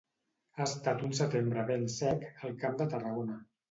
Ha estat un setembre ben sec al Camp de Tarragona.